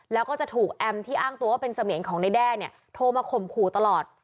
แล้วก็จะถูกแอมที่อ้างตัวว่าเป็นเสมียนของในแด้เนี่ยโทรมาข่มขู่ตลอด